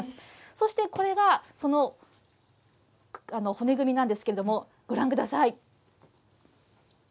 そして、これがその骨組みなんですけれども、ご覧ください。